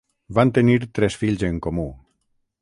Van tenir tres fills en comú.